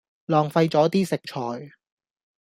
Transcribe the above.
浪費左啲食材